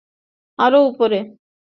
আরো, উপরে।